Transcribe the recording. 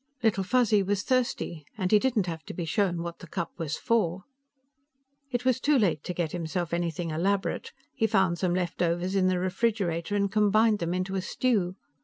Little Fuzzy was thirsty, and he didn't have to be shown what the cup was for. It was too late to get himself anything elaborate; he found some leftovers in the refrigerator and combined them into a stew.